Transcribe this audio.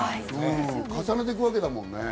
重ねていくわけだもんね。